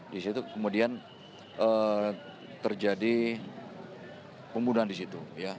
di situ kemudian terjadi pembunuhan di situ